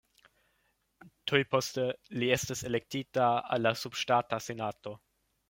Tuj poste li estis elektita al la subŝtata senato.